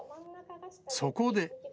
そこで。